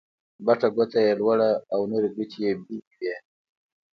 بټه ګوته يي لوړه او نورې ګوتې يې بېلې وې.